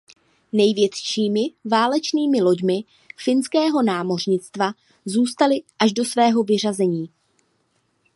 Největšími válečnými loďmi finského námořnictva zůstaly až do svého vyřazení.